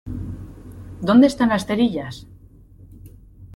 ¿ Dónde están las cerillas?